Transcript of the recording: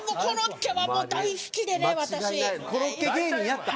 コロッケ芸人やった。